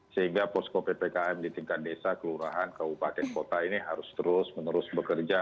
sehingga posko ppkm di tingkat desa kelurahan kabupaten kota ini harus terus menerus bekerja